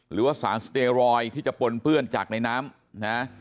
หรือว่าสารสเตรอยที่จะปนเปื้อนจากในน้ำนะ